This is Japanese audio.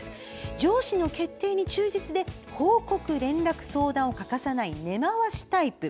上司の決定に忠実で報告、連絡、相談を欠かさない根回しタイプ。